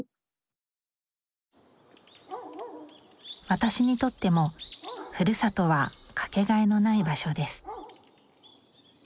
私にとってもふるさとは掛けがえのない場所です